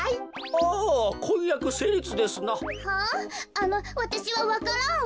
あのわたしはわか蘭を。